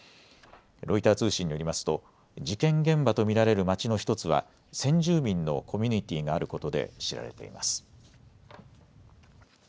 ロイター通信によりますと事件現場と見られる町の１つは先住民のコミュニティーがあることで知られています。